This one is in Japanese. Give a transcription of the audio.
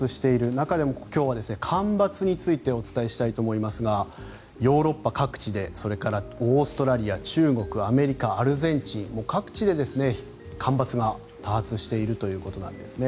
中でも今日は干ばつについてお伝えしたいと思いますがヨーロッパ各地でそれからオーストラリア、中国アメリカ、アルゼンチン各地で干ばつが多発しているということなんですね。